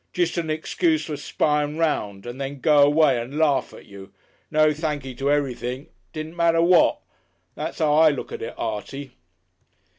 Jest an excuse for spyin' round and then go away and larf at you. No thanky to everything, it didn't matter what.... That's 'ow I look at it, Artie."